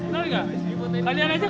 terima kasih banyak pak